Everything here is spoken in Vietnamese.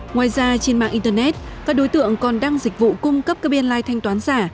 ngoài ra trên mạng internet các đối tượng còn đăng dịch vụ cung cấp các biên lai thanh toán giả